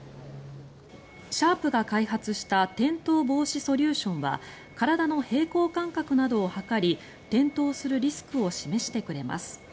シャープが開発した転倒防止ソリューションは体の平衡感覚などを測り転倒するリスクを示してくれます。